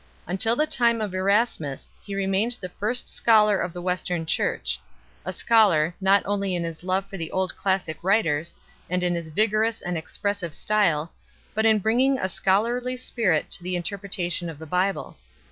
Until the time of Erasmus he remained the first scholar of the Western Church ; a scholar, not only in his love for the old classic writers, and in his vigorous and expressive style, but in bringing a scholarly spirit to the interpreta tion of the Bible.